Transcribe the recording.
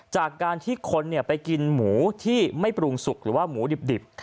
จากการที่คนไปกินหมูที่ไม่ปรุงสุกหรือว่าหมูดิบ